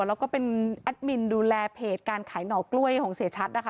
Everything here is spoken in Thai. แล้วก็เป็นแอดมินดูแลเพจการขายหน่อกล้วยของเสียชัดนะคะ